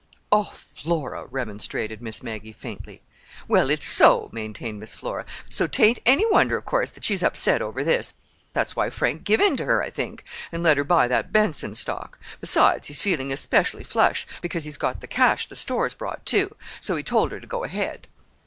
"Oh, Flora!" remonstrated Miss Maggie faintly. "Well, it's so," maintained Miss Flora, "So 'tain't any wonder, of course, that she's upset over this. That's why Frank give in to her, I think, and let her buy that Benson stock. Besides, he's feeling especially flush, because he's got the cash the stores brought, too. So he told her to go ahead."